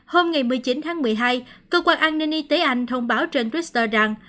hôm một mươi chín tháng một mươi hai cơ quan an ninh y tế anh thông báo trên twitter rằng